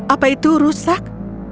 apa itu rusak